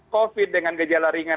covid dengan gejala ringan